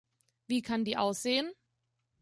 Wie kann die aussehen?